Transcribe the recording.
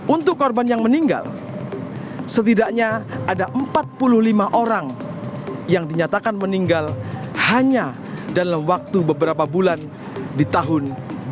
untuk korban yang meninggal setidaknya ada empat puluh lima orang yang dinyatakan meninggal hanya dalam waktu beberapa bulan di tahun dua ribu dua puluh